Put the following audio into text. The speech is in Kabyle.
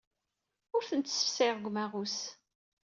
Ur ten-ssefsayeɣ deg umaɣus.